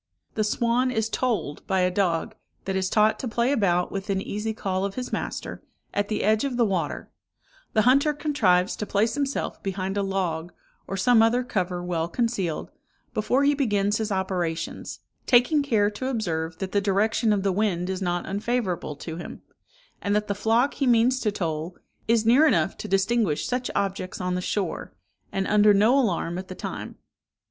"The swan is tolled by a dog, that is taught to play about within easy call of his master, at the edge of the water; the hunter contrives to place himself behind a log, or some other cover well concealed, before he begins his operations, taking care to observe that the direction of the wind is not unfavourable to him, and that the flock he means to toll is near enough to distinguish such objects on the shore, and under no alarm at the time.